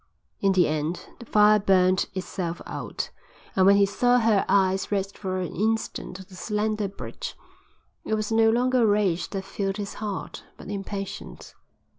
In the end the fire burnt itself out and, when he saw her eyes rest for an instant on the slender bridge, it was no longer rage that filled his heart but impatience.